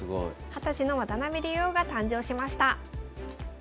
二十歳の渡辺竜王が誕生しました。